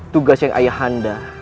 tugas yang ayah anda